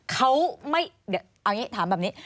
เขาไม่เอาอย่างนี้ถามแบบนี้